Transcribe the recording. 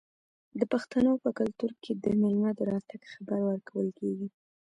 د پښتنو په کلتور کې د میلمه د راتګ خبر ورکول کیږي.